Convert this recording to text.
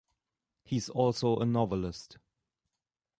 He is also a novelist.